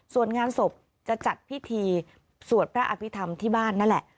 ส่วนงานศพจะจัดพิธีสวดพระอภิษฐรรมที่บ้านนั่นแหละ